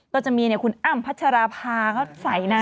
ก็จะมีคุณอ้ำพัชราภาเขาใส่นะ